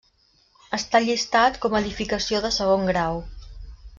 Està llistat com a edificació de segon grau.